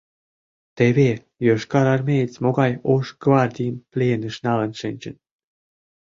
— Теве йошкарармеец могай ош гвардийым пленыш налын шинчын...